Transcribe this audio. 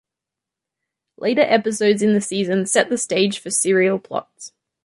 Later episodes in the season set the stage for serial plots.